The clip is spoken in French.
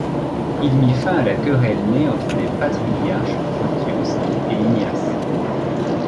Il mit fin à la querelle née entre les patriarches Photios et Ignace.